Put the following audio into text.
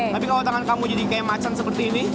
tapi kalau tangan kamu jadi kayak macan seperti ini